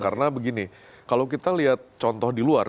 karena begini kalau kita lihat contoh di luar